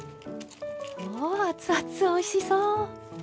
うわ熱々おいしそう！